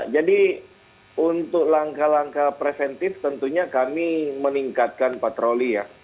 jadi untuk langkah langkah preventif tentunya kami meningkatkan patroli ya